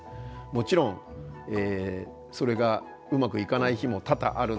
もちろんそれがうまくいかない日も多々あるんですが